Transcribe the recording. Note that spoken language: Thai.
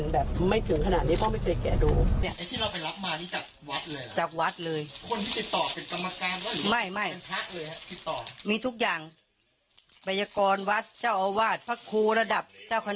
แบบอย่างงี้ค่ะอืมแต่รู้มือสองรู้รู้ค่ะคูณมือสอง